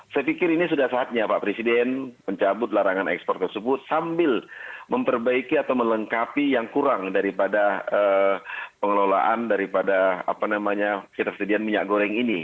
saya pikir ini sudah saatnya pak presiden mencabut larangan ekspor tersebut sambil memperbaiki atau melengkapi yang kurang daripada pengelolaan daripada ketersediaan minyak goreng ini